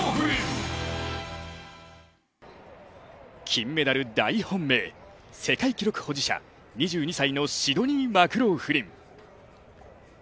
金メダル大本命、世界記録保持者、２２歳のシドニー・マクローフリン。